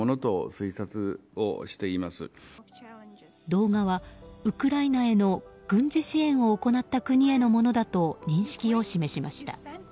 動画はウクライナへの軍事支援を行った国へのものだと認識を示しました。